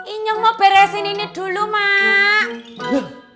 inyom mau beresin ini dulu mak